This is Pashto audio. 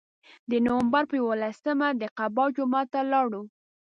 د نوامبر په یولسمه د قبا جومات ته لاړو.